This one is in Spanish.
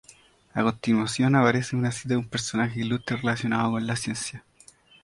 A continuación aparece una cita de un personaje ilustre relacionada con la ciencia.